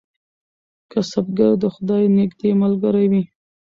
کسبګر د خدای نږدې ملګری وي.